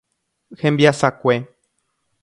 Hembiasakue.